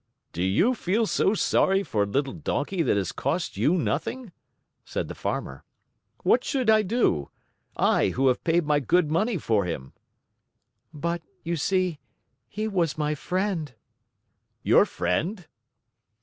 "Do you feel so sorry for a little donkey that has cost you nothing?" said the Farmer. "What should I do I, who have paid my good money for him?" "But, you see, he was my friend." "Your friend?"